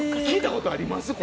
聞いたことあります？